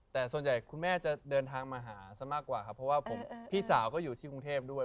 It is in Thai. แต่ส่วนใหญ่คุณแม่จะเดินทางมาหาซะมากกว่าครับเพราะว่าผมพี่สาวก็อยู่ที่กรุงเทพด้วย